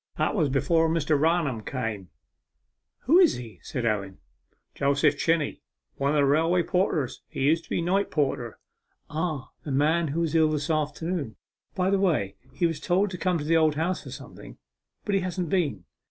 That was before Mr. Raunham came.' 'Who is he?' said Owen. 'Joseph Chinney, one of the railway porters; he used to be night porter.' 'Ah the man who was ill this afternoon; by the way, he was told to come to the Old House for something, but he hasn't been.